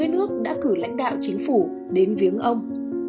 hai mươi nước đã cử lãnh đạo chính phủ đến viếng ông